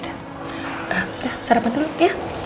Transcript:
dah sarapan dulu ya